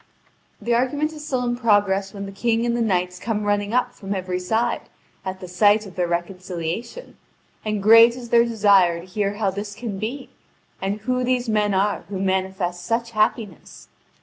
The argument is still in progress when the King and the knights come running up from every side, at the sight of their reconciliation; and great is their desire to hear how this can be, and who these men are who manifest such happiness.